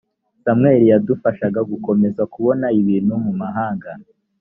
samweli yadufasha gukomeza kubona ibintu mumahanga